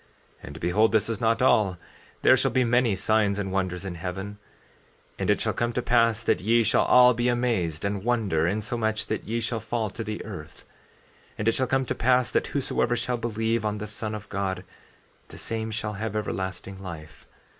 14:6 And behold this is not all, there shall be many signs and wonders in heaven. 14:7 And it shall come to pass that ye shall all be amazed, and wonder, insomuch that ye shall fall to the earth. 14:8 And it shall come to pass that whosoever shall believe on the Son of God, the same shall have everlasting life.